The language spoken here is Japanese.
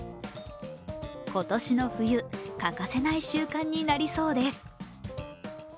今年の冬、欠かせない習慣になりそうです。